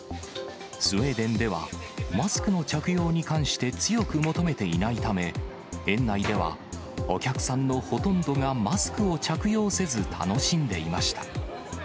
スウェーデンでは、マスクの着用に関して、強く求めていないため、園内ではお客さんのほとんどがマスクを着用せず、楽しんでいました。